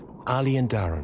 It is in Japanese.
ああ。